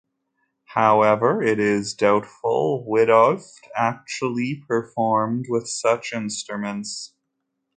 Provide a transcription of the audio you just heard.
However, it is doubtful Wiedoeft actually performed with such instruments.